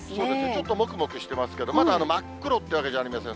ちょっともくもくしてますが、まだ真っ黒ってわけじゃありません。